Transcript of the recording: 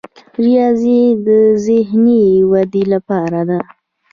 ریاضي د ذهني ودې لپاره ده.